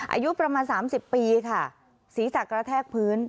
อายุประมาณ๓๐ปีค่ะศีรษะกระแทกพื้น